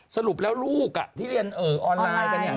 สรุปลักษณ์ลูกที่เรียนออนไลน์กัน